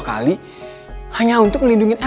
kalau red warna ar turtle nggak peduli ngerti